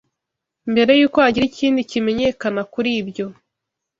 mbere y’uko hagira ikindi kimenyekana kuri ibyo